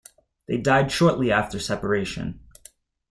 They died shortly after separation.